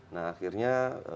nah akhirnya dua ribu sebelas